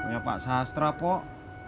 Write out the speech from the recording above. ya pak sastra pok